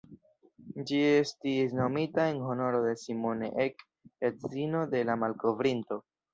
Ĝi estis nomita en honoro de "Simone Ek", edzino de la malkovrinto.